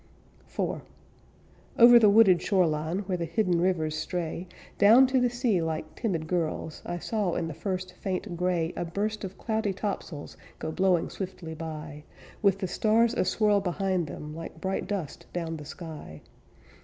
IV Over the wooded shore line, Where the hidden rivers stray Down to the sea like timid girls, I saw in the first faint gray A burst of cloudy topsails Go blowing swiftly by, With the stars aswirl behind them Like bright dust down the sky.